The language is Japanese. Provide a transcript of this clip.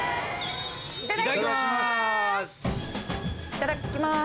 いっただきます。